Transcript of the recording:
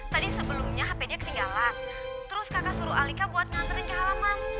tadi sebelumnya hp nya ketinggalan terus kakak suruh alika buat nganterin ke halaman